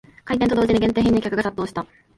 開店と同時に限定品に客が殺到した